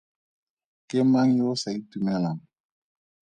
Ke mang yo o sa itumelang?